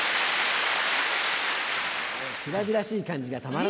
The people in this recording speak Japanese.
しらじらしい感じがたまらない。